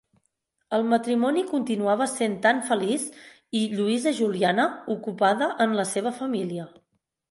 El matrimoni continuava sent tan feliç i Lluïsa Juliana ocupada en la seva família.